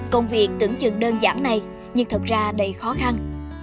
công việc tưởng chừng đơn giản này nhưng thật ra đầy khó khăn